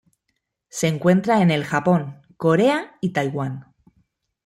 Se encuentra en el Japón, Corea y Taiwán.